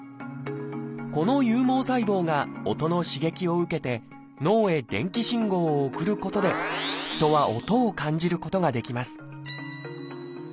この有毛細胞が音の刺激を受けて脳へ電気信号を送ることで人は音を感じることができます